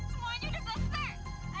semuanya udah selesai